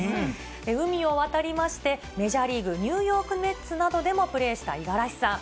海を渡りまして、メジャーリーグ・ニューヨークメッツなどでもプレーした五十嵐さん。